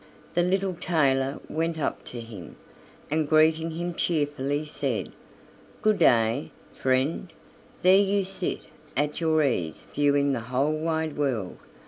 The little tailor went up to him, and greeting him cheerfully said: "Good day, friend; there you sit at your ease viewing the whole wide world.